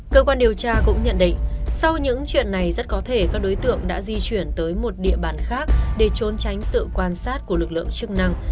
cơ quan điều tra cũng nhận định sau những chuyện này rất có thể các đối tượng đã di chuyển tới một địa bàn khác để trốn tránh sự quan sát của lực lượng chức năng